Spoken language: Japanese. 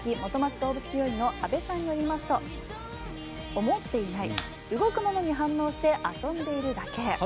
どうぶつ病院の阿部さんによりますと思っていない動くものに反応して遊んでいるだけ。